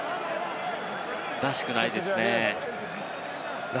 らしくないですね。